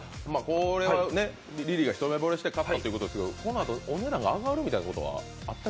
これはリリーが一目ぼれして買ったということですけど、このあとお値段が上がるということは？